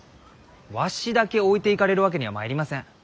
わしだけ置いていかれるわけにはまいりません。